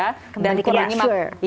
kembali ke makanan sehat